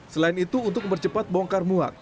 selain itu untuk mempercepat bongkar muat